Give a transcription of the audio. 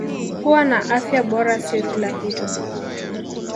Kuwa na afya bora sio kila kitu